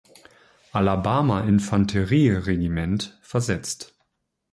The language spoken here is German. Alabama Infanterie-Regiment versetzt.